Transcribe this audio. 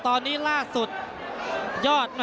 ตอนนี้ล่าสุดยอด